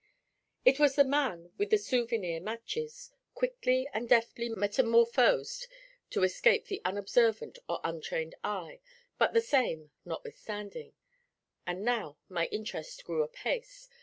It was the man with the 'soo vy neer matches,' quickly and deftly metamorphosed to escape the unobservant or untrained eye, but the same, notwithstanding. And now my interest grew apace.